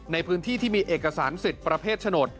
ในพื้นที่ที่มีเอกสารสิทธิ์ประเภทโฉนด